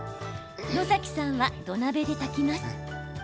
野崎さんは土鍋で炊きます。